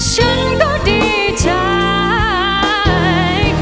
ฉันก็ดีใจ